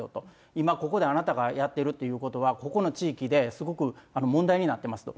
今、ここであなたがやってるということは、ここの地域ですごく問題になってますと。